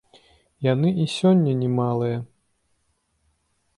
Яны і сёння не малыя.